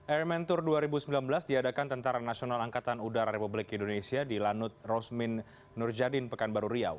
airmen tour dua ribu sembilan belas diadakan tentara nasional angkatan udara republik indonesia di lanut rosmin nurjadin pekanbaru riau